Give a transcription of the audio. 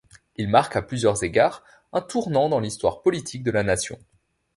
Il marque à plusieurs égards un tournant dans l'histoire politique de la nation.